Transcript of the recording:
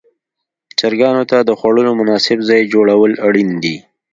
چرګانو ته د خوړلو مناسب ځای جوړول اړین دي.